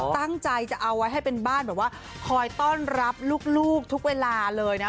ตั้งใจจะเอาไว้ให้เป็นบ้านแบบว่าคอยต้อนรับลูกทุกเวลาเลยนะ